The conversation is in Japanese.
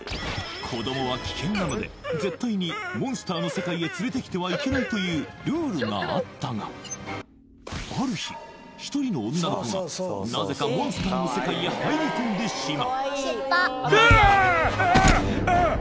子どもは危険なので絶対にモンスターの世界へ連れてきてはいけないというルールがあったがある日一人の女の子がなぜかモンスターの世界へ入り込んでしまうシッポうわあっうわっ